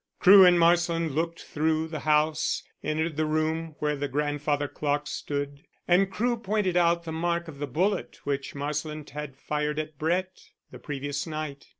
Crewe and Marsland looked through the house, entered the room where the grandfather clock stood, and Crewe pointed out the mark of the bullet which Marsland had fired at Brett the previous night.